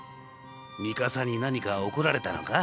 ミカサに何か怒られたのか？